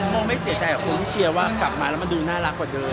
โมไม่เสียใจกับคนที่เชียร์ว่ากลับมาแล้วมันดูน่ารักกว่าเดิม